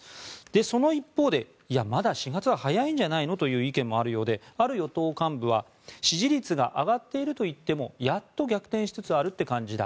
その一方で、いやまだ４月は早いんじゃないのという意見もあるようである与党幹部は支持率が上がっているといってもやっと逆転しつつあるって感じだ